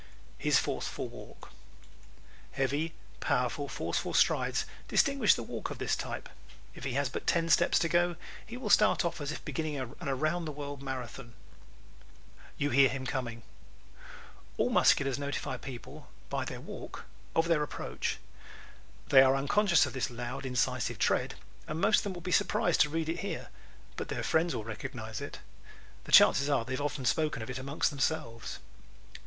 His Forceful Walk ¶ Heavy, powerful, forceful strides distinguish the walk of this type. If he has but ten steps to go he will start off as if beginning an around the world marathon. You Hear Him Coming ¶ All Musculars notify people, by their walk, of their approach. They are unconscious of this loud incisive tread, and most of them will be surprised to read it here. But their friends will recognize it. The chances are that they have often spoken of it amongst themselves.